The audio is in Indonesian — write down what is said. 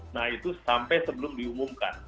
nah itu sampai sebelum diumumkan